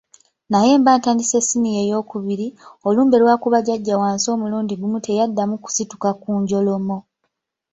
Naye mba ntandise Ssiniya eyookubiri, olumbe lwakuba jjajja wansi omulundi gumu teyaddamu kusituka ku njoloomo.